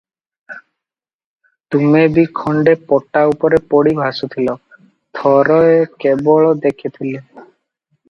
ତୁମେବି ଖଣ୍ଡେ ପଟା ଉପରେ ପଡ଼ି ଭାସୁଥିଲ, ଥରେ କେବଳ ଦେଖିଥିଲି ।